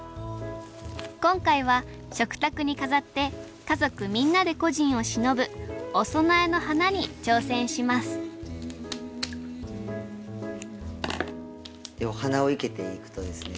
今回は食卓に飾って家族みんなで故人をしのぶお供えの花に挑戦しますでお花を生けていくとですね